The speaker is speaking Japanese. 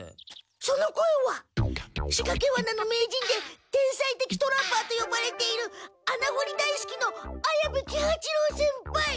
その声はしかけわなの名人で天才的トラパーとよばれているあなほり大すきの綾部喜八郎先輩！